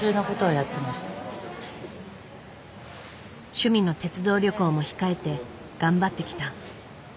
趣味の鉄道旅行も控えて頑張ってきた。